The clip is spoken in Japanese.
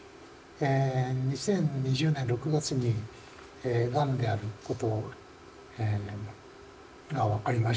２０２０年６月にがんであることが分かりましてですね